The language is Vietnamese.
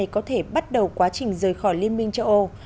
có thể bắt đầu quá trình rời khỏi liên minh châu âu